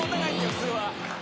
普通は。